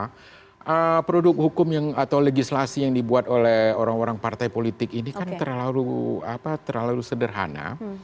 karena produk hukum atau legislasi yang dibuat oleh orang orang partai politik ini kan terlalu sederhana